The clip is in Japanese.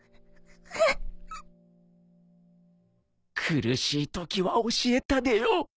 苦しいときは教えたでよ